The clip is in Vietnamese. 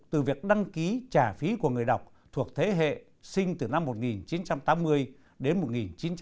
từ việc đăng ký trả phí của người đọc thuộc thế hệ sinh từ năm một nghìn chín trăm tám mươi đến một nghìn chín trăm tám mươi